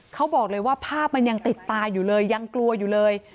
เขาบอกเลยว่าภาพมันยังติดตาอยู่เลยยังกลัวอยู่เลย